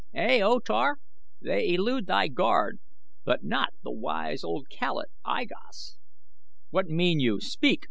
"Ey, O Tar, they elude thy guard but not the wise old calot, I Gos." "What mean you? Speak!"